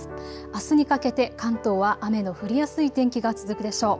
あすにかけて関東は雨の降りやすい天気が続くでしょう。